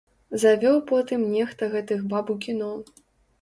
Завёў потым нехта гэтых баб у кіно.